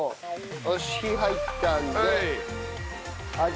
よし火入ったんで味。